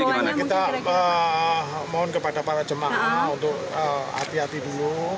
bagaimana kita mohon kepada para jemaah untuk hati hati dulu